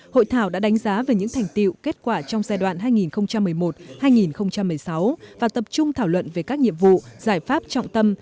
hội thảo đã đánh giá về những thành tiệu kết quả trong giai đoạn hai nghìn một mươi một hai nghìn một mươi sáu và tập trung thảo luận về các nhiệm vụ giải pháp trọng tâm